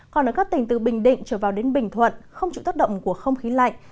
còn ở các tỉnh từ bình định trở vào đến bình thuận không chịu tác động của không khí lạnh